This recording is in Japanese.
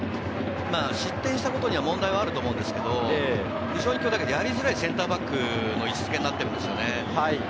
失点したことに問題はあると思うんですけど、非常にやりづらいセンターバックの位置付けになっているんですよね。